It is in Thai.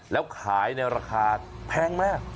แล้วขายเนี่ยราคาแพงไหม